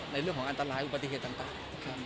เรื่องของอันตรายอุบัติเหตุต่าง